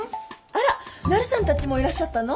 あらなるさんたちもいらっしゃったの？